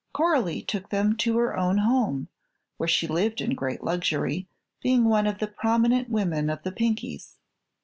Coralie took them to her own home, where she lived in great luxury, being one of the prominent women of the Pinkies.